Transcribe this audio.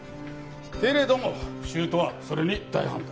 けれども姑はそれに大反対！